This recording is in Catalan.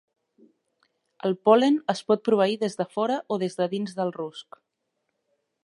El pol·len es pot proveir des de fora o des de dins del rusc.